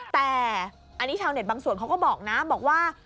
แต่อันนี้ชาวเน็ตบางส่วนเขาก็บอกนะบอกว่า